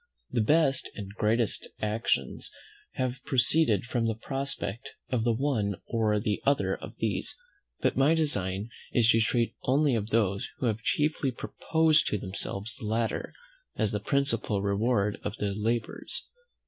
The best and greatest actions have proceeded from the prospect of the one or the other of these; but my design is to treat only of those who have chiefly proposed to themselves the latter as the principal reward of their labours.